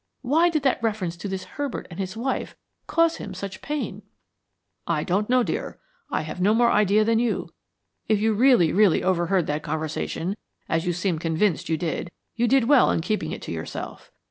Why did that reference to this Herbert and his wife cause him such pain?" "I don't know, dear; I have no more idea than you. If you really, really overheard that conversation, as you seem convinced you did, you did well in keeping it to yourself.